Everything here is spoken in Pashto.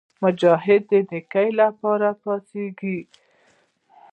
مجاهد د نیکۍ لپاره راپاڅېږي.